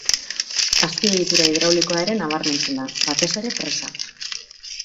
Azpiegitura hidraulikoa ere nabarmentzen da, batez ere presa.